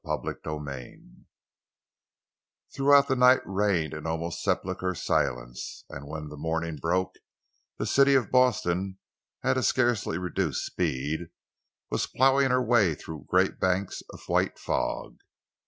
CHAPTER XII Throughout the night reigned an almost sepulchral silence, and when the morning broke, the City of Boston, at a scarcely reduced speed, was ploughing her way through great banks of white fog.